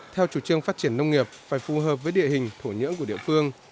theo chủ trương phát triển nông nghiệp phải phù hợp với địa hình thổ nhưỡng của địa phương